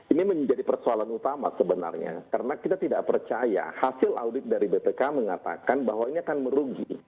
ini menjadi persoalan utama sebenarnya karena kita tidak percaya hasil audit dari bpk mengatakan bahwa ini akan merugi